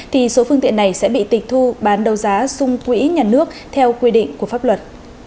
thì số phương tiện này sẽ bị tịch thu bán đầu giá sung quỹ nhà nước theo quy định của pháp luật